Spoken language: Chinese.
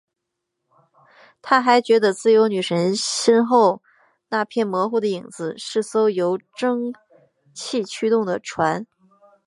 他还觉得自由女神身后那片模糊的影子是艘由蒸汽驱动的船。